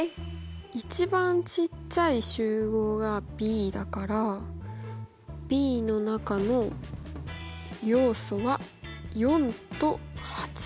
一番ちっちゃい集合がＢだからＢの中の要素は４と８。